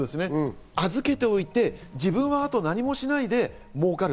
預けておいて自分はあと何もしないで儲かる。